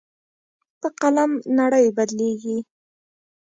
په قلم نړۍ بدلېږي.